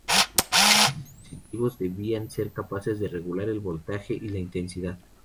Estos dispositivos debían ser capaces de regular el voltaje y la intensidad.